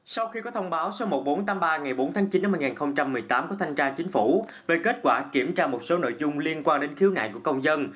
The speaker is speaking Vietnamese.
sau khi có thông báo số một nghìn bốn trăm tám mươi ba ngày bốn tháng chín năm hai nghìn một mươi tám của thanh tra chính phủ về kết quả kiểm tra một số nội dung liên quan đến khiếu nại của công dân